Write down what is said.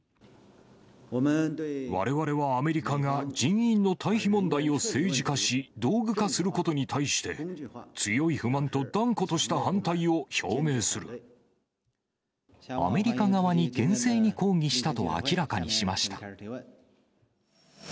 われわれはアメリカが人員の退避問題を政治化し、道具化することに対して、強い不満と断固とアメリカ側に厳正に抗議したと明らかにしました。